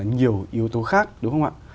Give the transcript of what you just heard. nhiều yếu tố khác đúng không ạ